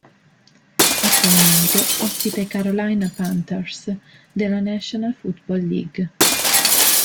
Attualmente ospita i Carolina Panthers della National Football League.